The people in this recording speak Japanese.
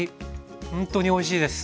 ほんとにおいしいです。